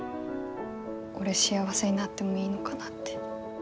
俺幸せになってもいいのかなって。